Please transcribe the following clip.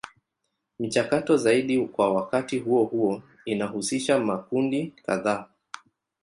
Michakato zaidi kwa wakati huo huo inahusisha makundi kadhaa.